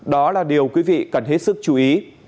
điều quý vị cần hết sức chú ý